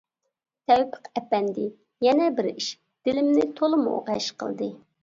تەۋپىق ئەپەندى، يەنە بىر ئىش دىلىمنى تولىمۇ غەش قىلدى.